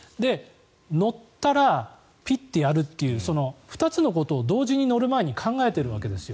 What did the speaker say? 乗ったら、ピッとやるという２つのことを同時に乗る前に考えてるわけですよ。